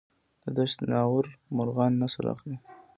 د دشت ناور مرغان نسل اخلي؟